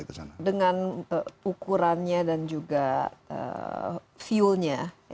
dengan ukurannya dan juga fuelnya